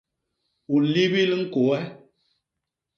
U nlibil ñkôô e?